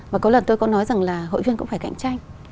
và có lần tôi có nói rằng là hội viên cũng phải cạnh tranh